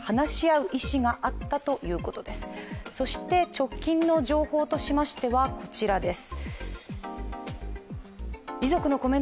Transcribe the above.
直近の情報としましてはこちらです。